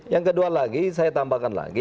yang kedua lagi saya tambahkan lagi